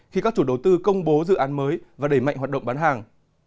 khi các chủ đầu tư công bố dự án mới và đẩy mạnh hoạt động bán hàng